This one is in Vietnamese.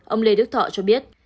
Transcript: ông lê đức thọ cho biết